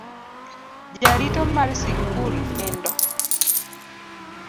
Jarito mar sikul nindo.